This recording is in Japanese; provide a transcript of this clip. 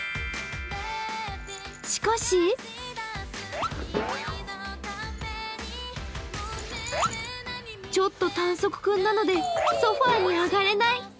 しかしちょっと短足くんなのでソファーに上がれない。